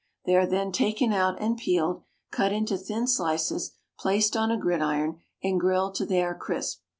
They are then taken out and peeled, cut into thin slices, placed on a gridiron, and grilled till they are crisp.